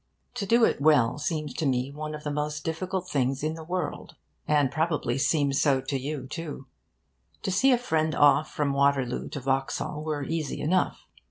To do it well seems to me one of the most difficult things in the world, and probably seems so to you, too. To see a friend off from Waterloo to Vauxhall were easy enough.